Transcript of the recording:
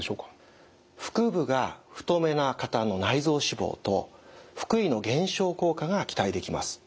腹部が太めな方の内臓脂肪と腹囲の減少効果が期待できます。